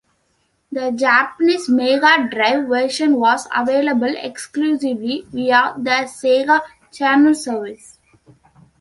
The Japanese Mega Drive version was available exclusively via the Sega Channel service.